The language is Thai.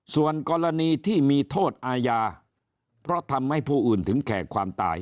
ส่วนกรณีที่มีโทษอาญาเพราะทำให้ผู้อื่นถึงแขกความตาย